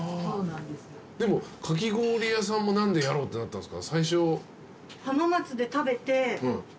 でもかき氷屋さんも何でやろうってなったんすか？